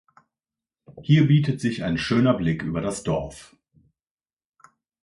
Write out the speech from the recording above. Hier bietet sich ein schöner Blick über das Dorf.